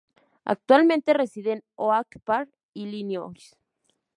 Actualmente reside en Oak Park, Illinois.